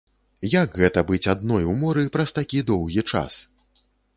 Як гэта быць адной у моры праз такі доўгі час?